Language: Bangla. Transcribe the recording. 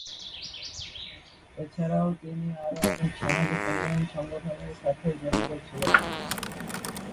এছাড়াও তিনি আরো অনেক সামাজিক উন্নয়ন সংগঠনের সাথে জড়িত ছিলেন।